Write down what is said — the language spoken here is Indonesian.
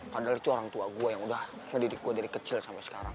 padahal itu orang tua gue yang udah saya didik gue dari kecil sampai sekarang